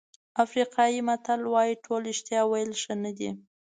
افریقایي متل وایي ټول رښتیا ویل ښه نه دي.